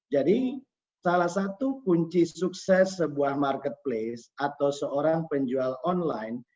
jadi salah satu kunci sukses sebuah marketplace atau seorang penjual online